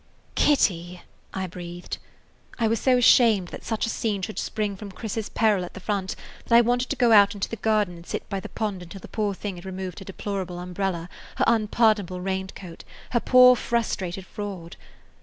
"Kitty!" I breathed. I was so ashamed that such a scene should spring from Chris's peril at the front that I wanted to go out into the garden and sit by the pond until the poor thing had removed her deplorable umbrella, her unpardonable raincoat, her poor frustrated fraud.